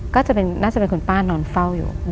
ก็น่าจะเป็นคุณป้านอนเฝ้าอยู่